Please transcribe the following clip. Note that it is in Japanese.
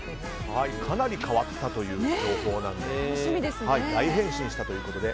かなり変わったという情報なので。